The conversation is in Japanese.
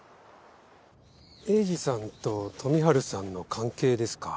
栄治さんと富治さんの関係ですか？